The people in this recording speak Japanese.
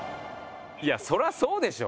いやそりゃそうでしょ。